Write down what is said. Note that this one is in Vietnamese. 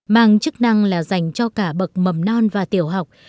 mang chức năng là dành cho cả bậc mầm non và tiểu học